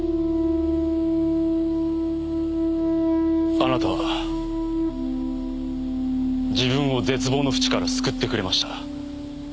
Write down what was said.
あなたは自分を絶望の淵から救ってくれました。